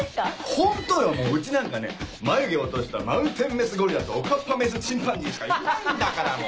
ホントようちなんかね眉毛落としたマウンテンメスゴリラとおかっぱメスチンパンジーしかいないんだからもう。